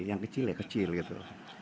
yang kecil ya kecil gitu